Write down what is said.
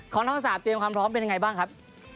ของธรรมศาสตร์เตรียมความพร้อมเป็นยังไงบ้างครับ